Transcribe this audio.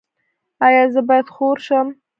ایا زه باید خور شم؟